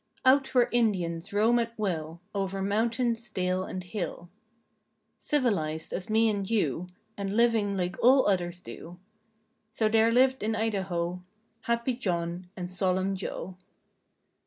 Out where Indians roam at will Over mountain, dale and hill. Civilized as me and you And living like all others do. So there lived in Idaho "Happy John and "Solemn Joe."